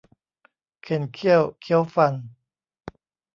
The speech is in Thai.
เข่นเขี้ยวเคี้ยวฟัน